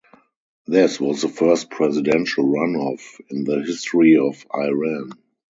This was the first presidential runoff in the history of Iran.